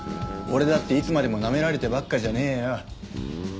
俺だっていつまでもなめられてばっかじゃねえよ。